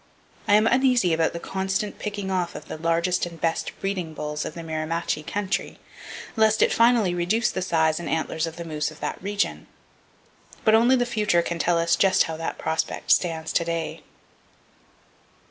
I am uneasy about the constant picking off of the largest and best breeding bulls of the Mirimachi country, lest it finally reduce the size and antlers of the moose of that region; but only the future can tell us just how that prospect stands to day.